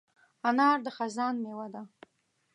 انار د خزان مېوه ده.